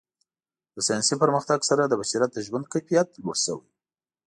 د ساینسي پرمختګ سره د بشریت د ژوند کیفیت لوړ شوی.